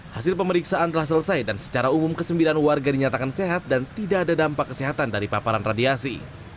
hasil pemeriksaan telah selesai dan secara umum kesembilan warga dinyatakan sehat dan tidak ada dampak kesehatan dari paparan radiasi